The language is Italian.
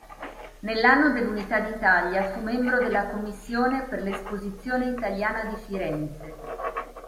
Nell'anno dell'Unità d'Italia, fu membro della commissione per l'esposizione italiana di Firenze.